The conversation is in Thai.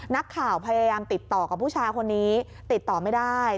นักข่าวพยายามติดต่อกับผู้ชายคนนี้ติดต่อไม่ได้